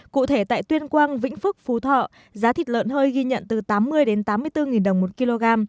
cụ thể tại tuyên quang vĩnh phúc phú thọ giá thịt lợn hơi ghi nhận từ tám mươi tám mươi bốn đồng một kg